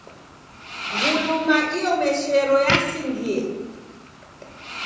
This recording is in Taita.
Nguluma iomeshero yasingie